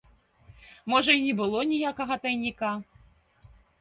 Можа, і не было ніякага тайніка?